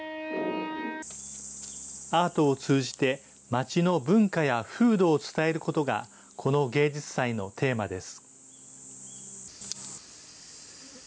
アートを通じて、町の文化や風土を伝えることが、この芸術祭のテーマです。